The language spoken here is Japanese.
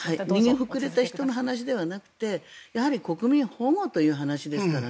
逃げ遅れた人の話ではなくて国民保護という話ですから。